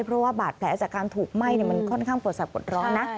เพราะว่าบาดแผลจากการถูกไหม้มันค่อนข้างปวดสับปวดร้อนนะ